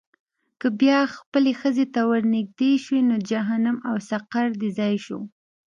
که بیا خپلې ښځې ته ورنېږدې شوې، نو جهنم او سقر دې ځای شو.